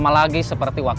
maka keliingan bisa diperoleh